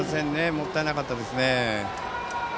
もったいなかったですね。